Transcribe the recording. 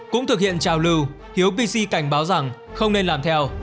cũng thực hiện trào lưu hiếu pc cảnh báo rằng không nên làm theo